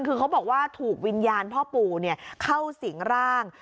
คือเขาบอกว่าถูกวิญญาณพ่อปู่เข้าสิงร่าง